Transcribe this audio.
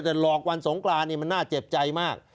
แต่หลอกวันสงกรานนี่มันน่าเจ็บใจมาก